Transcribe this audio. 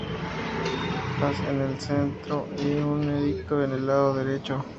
H. S. en el centro y un edicto en el lado derecho.